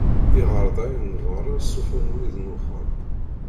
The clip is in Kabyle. Iɣerdayen n berra ssuffɣen wid n uxxam.